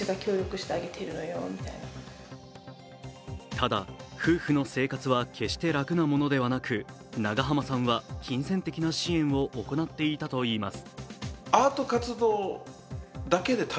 ただ夫婦の生活は決して楽なものではなく長濱さんは金銭的な支援を行っていたといいます。